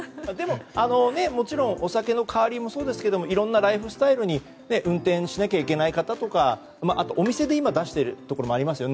もちろんお酒の代わりもそうですがいろんなライフスタイルに運転しないといけない方やあとは、ノンアルをお店で出しているところもありますよね。